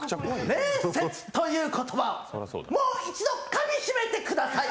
礼節という言葉を、もう一度かみしめてください。